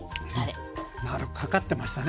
かかってますよね